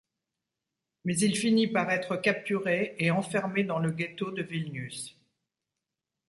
Mais il finit par être capturé et enfermé dans le ghetto de Vilnius.